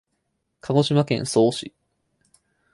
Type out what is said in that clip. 鹿児島県曽於市